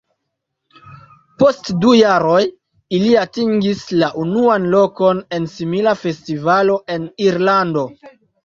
Post du jaroj ili atingis la unuan lokon en simila festivalo en Irlando.